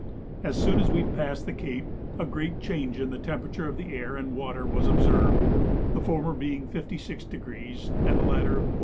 As soon as we passed the Cape a great change in the temperature of the air and water was observed, the former being 56°, and the latter 46°.